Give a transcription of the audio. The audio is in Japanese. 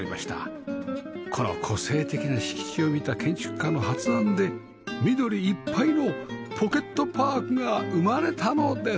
この個性的な敷地を見た建築家の発案で緑いっぱいのポケットパークが生まれたのです